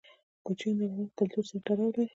کوچیان د افغان کلتور سره تړاو لري.